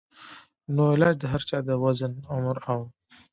نو علاج د هر چا د وزن ، عمر او